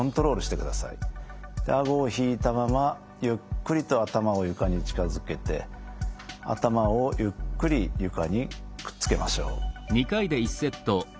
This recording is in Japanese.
顎を引いたままゆっくりと頭を床に近づけて頭をゆっくり床にくっつけましょう。